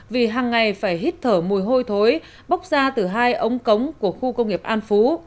vì hàng ngày phải hít thở mùi hôi thối bốc ra từ hai ống cống của khu công nghiệp an phú